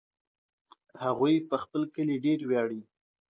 هغوی په خپل کلي ډېر ویاړي